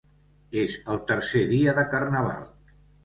És el tercer dia de Carnaval.